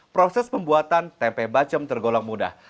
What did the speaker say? proses pembuatan tempe bacem tergolong mudah